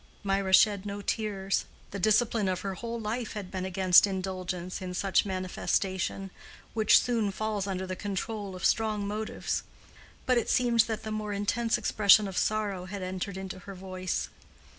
Mirah shed no tears: the discipline of her whole life had been against indulgence in such manifestation, which soon falls under the control of strong motives; but it seemed that the more intense expression of sorrow had entered into her voice.